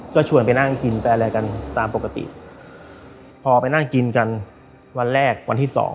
ก็ชวนไปนั่งกินไปอะไรกันตามปกติพอไปนั่งกินกันวันแรกวันที่สอง